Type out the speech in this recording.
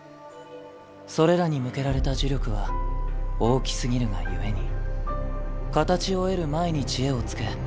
それらに向けられた呪力は大きすぎるがゆえに形を得る前に知恵を付け